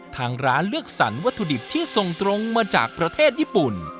ทางร้านเลือกสรรวัตถุดิบที่ส่งตรงมาจากประเทศญี่ปุ่น